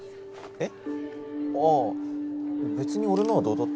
えっ！